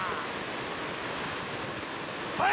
はい！